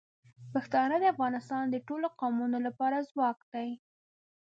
پښتانه د افغانستان د ټولو قومونو لپاره ځواک دي.